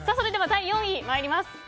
第４位に参ります。